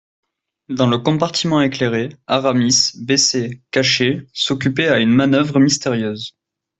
Dans le compartiment éclairé, Aramis, baissé, caché, s'occupait à une manoeuvre mystérieuse.